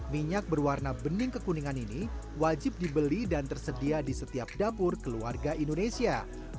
minyak berwarna bening kekuningan ini wajib dibeli dan tersedia di setiap dapur keluarga indonesia